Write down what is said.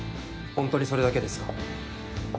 ホントにそれだけですか？